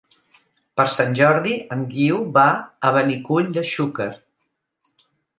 Per Sant Jordi en Guiu va a Benicull de Xúquer.